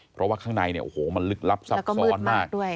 เพราะว่าข้างในเนี่ยโอ้โหมันลึกลับซับซ้อนมาก